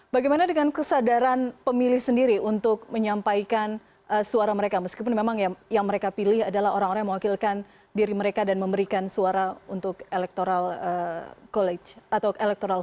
bagaimana dengan kesadaran pemilih sendiri untuk menyampaikan suara mereka meskipun memang yang mereka pilih adalah orang orang yang mewakilkan diri mereka dan memberikan suara untuk electoral college atau elektoral